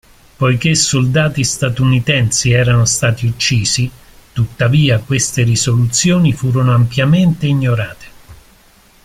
Poiché soldati statunitensi erano stati uccisi, tuttavia, queste risoluzioni furono ampiamente ignorate.